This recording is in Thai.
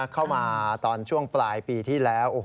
เข้ามาตอนช่วงปลายปีที่แล้ว